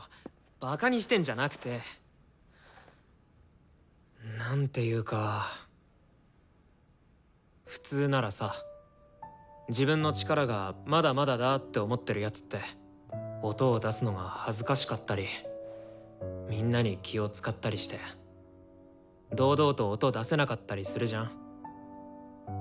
バカにしてんじゃなくて。なんていうか普通ならさ自分の力が「まだまだだ」って思ってる奴って音を出すのが恥ずかしかったりみんなに気を遣ったりして堂々と音出せなかったりするじゃん？